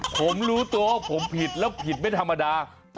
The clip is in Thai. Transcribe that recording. ผมรู้ตัวว่าผมผิดแล้วผิดไม่ธรรมดา